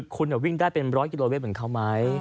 คุณวิ่งได้เป็นร้อยกิโลเวทย์เหมื่อนเขามั้ย